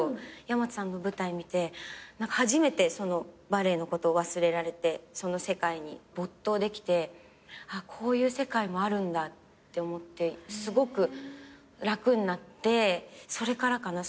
岩松さんの舞台見て初めてそのバレエのこと忘れられてその世界に没頭できてこういう世界もあるんだって思ってすごく楽になってそれからかな？